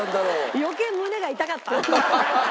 余計胸が痛かった。